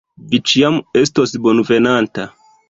Vi ĉiam estos bonvenanta.